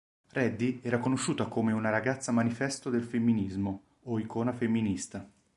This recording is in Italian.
Reddy era conosciuta come una "ragazza-manifesto" del femminismo o icona femminista.